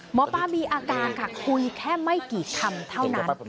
หมอปลามีอาการค่ะคุยแค่ไม่กี่คำเท่านั้น